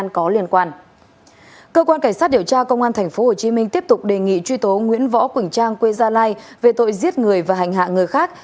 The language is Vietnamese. cơ quan cảnh sát điều tra công an tp hcm tiếp tục đề nghị truy tố nguyễn võ quỳnh trang quê gia lai về tội giết người và hành hạ người khác